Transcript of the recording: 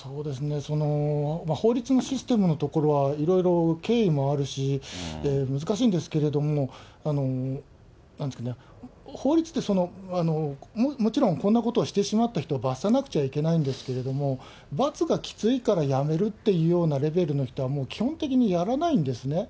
法律のシステムのところはいろいろ経緯もあるし、難しいんですけど、法律ってもちろん、こんなことをしてしまった人を罰さなくちゃいけないんですけど、罰がきついからやめるっていうようなレベルの人は、もう基本的にやらないんですね。